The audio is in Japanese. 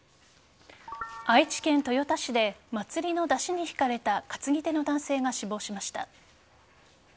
愛知県豊田市で祭りの山車にひかれた担ぎ手の男性が死亡しました。